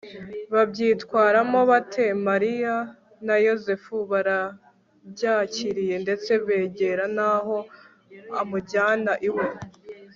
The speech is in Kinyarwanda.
babyitwaramo bate ? mariya na yozefu barabyakiriye ndetse bigera n'aho amujyana iwe